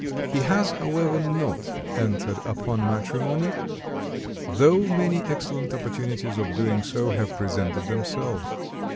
He has, however, not entered upon matrimony, though many excellent opportunities of doing so have presented themselves.